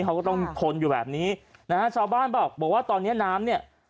เขาก็ต้องคนอยู่แบบนี้นะฮะชาวบ้านบอกบอกว่าตอนเนี้ยน้ำเนี่ย